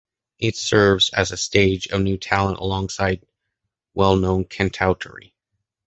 It serves as a stage for new talents, alongside well-known cantautori.